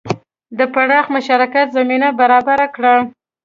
د پراخ مشارکت زمینه برابره کړه.